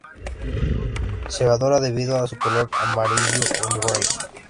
Se valora debido a su color amarillo uniforme.